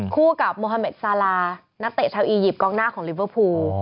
คู่กับโมฮาเมดซาลานักเตะชาวอียิปต์กองหน้าของลิเวอร์พูล